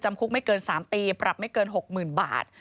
คุกไม่เกิน๓ปีปรับไม่เกิน๖๐๐๐บาท